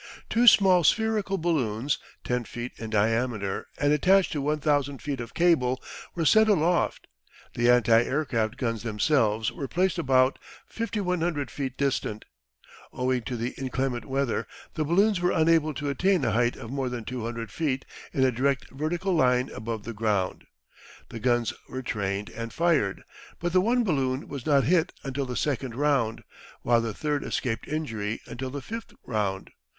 Two small spherical balloons, 10 feet in diameter, and attached to 1,000 feet of cable, were sent aloft. The anti aircraft guns themselves were placed about 5,100 feet distant. Owing to the inclement weather the balloons were unable to attain a height of more than 200 feet in a direct vertical line above the ground. The guns were trained and fired, but the one balloon was not hit until the second round, while the third escaped injury until the fifth round.